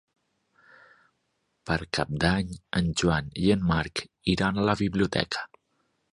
Per Cap d'Any en Joan i en Marc iran a la biblioteca.